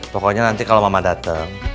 pokoknya nanti kalo mama dateng